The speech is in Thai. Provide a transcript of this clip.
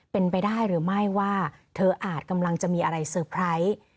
เป็นไปได้หรือไม่ว่าเธออาจกำลังจะมีอะไรเซอร์ไพรส์